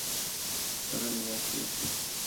চল নিয়ে আসি ওকে!